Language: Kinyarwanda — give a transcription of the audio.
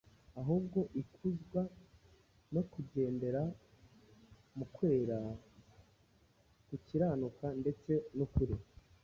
Ahubwo ikuzwa no kugendera mu kwera, gukiranuka ndetse n’ukuri.